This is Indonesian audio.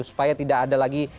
supaya tidak ada lagi